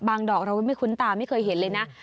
ดอกเราก็ไม่คุ้นตาไม่เคยเห็นเลยนะ